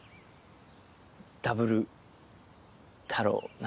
ダブル太郎な。